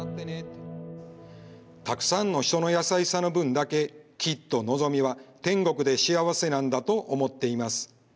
「たくさんの人の優しさの分だけきっとのぞみは天国で幸せなんだと思っています。